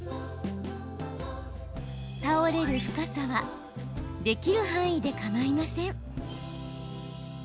倒れる深さはできる範囲でかまいません。